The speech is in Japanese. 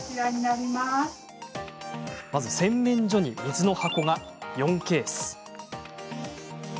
洗面所に水の箱が４ケース。